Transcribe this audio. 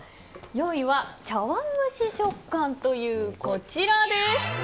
４位は茶わん蒸し食感というこちらです。